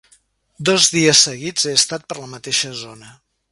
Dos dies seguits he estat per la mateixa zona.